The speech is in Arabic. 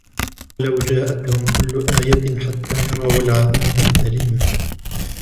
وَلَوْ جَاءَتْهُمْ كُلُّ آيَةٍ حَتَّى يَرَوُا الْعَذَابَ الْأَلِيمَ